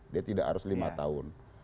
dia tidak harus lima tahun